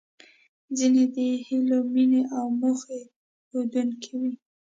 ځينې د هیلو، مينې او موخې ښودونکې وې.